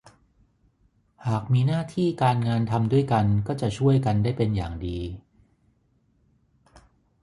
หากมีหน้าที่การงานทำด้วยกันก็จะช่วยกันได้เป็นอย่างดี